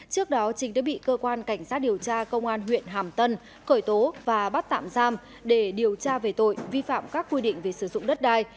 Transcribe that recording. trước đó chính đã bị cơ quan cảnh sát điều tra công an huyện hàm tân cởi tố và bắt tạm giam để điều tra về tội vi phạm các quy định về sử dụng đất đai